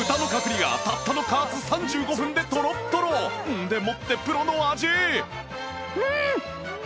んでもってプロの味